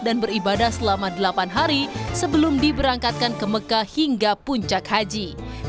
dan beribadah selama delapan hari sebelum diberangkatkan ke mekah hingga puncak haji